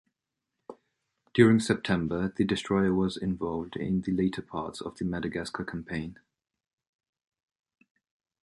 During September, the destroyer was involved in the later parts of the Madagascar Campaign.